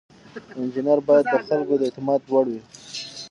انجینر باید د خلکو د اعتماد وړ وي.